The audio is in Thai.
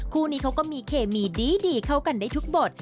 คู่นี้เขาก็มีเคมีดีเข้ากันได้ทุกบท